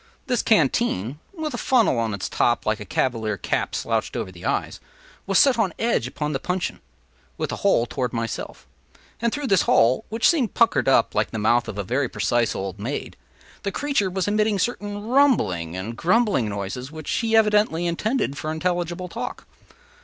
This canteen (with a funnel on its top, like a cavalier cap slouched over the eyes) was set on edge upon the puncheon, with the hole toward myself; and through this hole, which seemed puckered up like the mouth of a very precise old maid, the creature was emitting certain rumbling and grumbling noises which he evidently intended for intelligible talk.